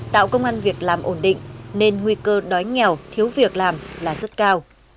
tạo công an việc làm ổn định nên nguy cơ đói nghèo thiếu việc làm là rất cao